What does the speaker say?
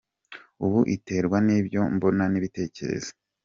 ubu iterwa n’ibyo mbona n’ibitekerezo.